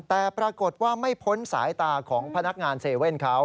แต่ปรากฏว่าไม่พ้นสายตาของพนักงาน๗๑๑เขา